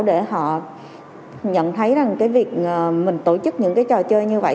để họ nhận thấy rằng cái việc mình tổ chức những cái trò chơi như vậy